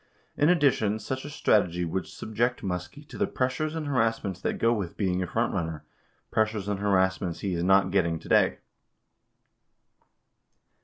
In addition, such a strategy would subject Muskie to the "pressures and harassments that go with being a front runner, pressures and har assments he is not getting today."